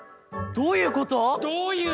・どういうこと？